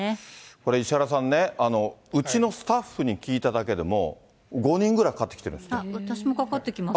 これ、石原さんね、うちのスタッフに聞いただけでも、５人ぐ私もかかってきました。